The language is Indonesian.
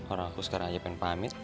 orang aku sekarang aja pengen pamit